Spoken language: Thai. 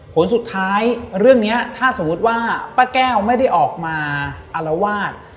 ผลสุดท้ายเรื่องนี้ถ้าสมมุติว่าป้าแก้วไม่ได้ออกมาอารวาส